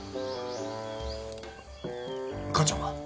母ちゃんは？